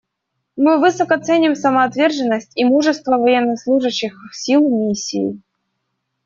Мы высоко ценим самоотверженность и мужество военнослужащих сил Миссии.